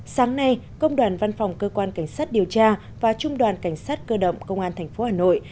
sáng nay công đoàn văn phòng cơ quan cảnh sát điều tra và trung đoàn cảnh sát cơ động công an tp hà nội